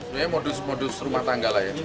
sebenarnya modus modus rumah tangga lah ya